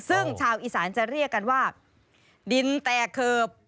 ซึ่งชาวอีสานจะเรียกกันว่าดินแตกเขิบ